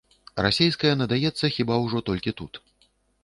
Расейская надаецца хіба ўжо толькі тут.